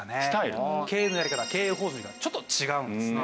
経営のやり方経営方針がちょっと違うんですね。